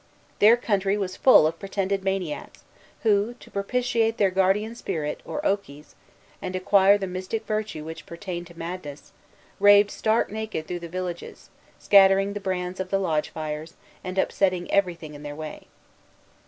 Their country was full of pretended maniacs, who, to propitiate their guardian spirits, or okies, and acquire the mystic virtue which pertained to madness, raved stark naked through the villages, scattering the brands of the lodge fires, and upsetting everything in their way.